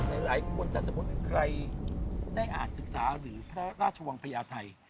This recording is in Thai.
หลายคนแต่สมมุติใครได้อ่านศึกษาหรือพระราชวังพญาไทย